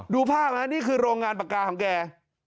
ดูภาพฮะนี่คือโรงงานปากกาของแก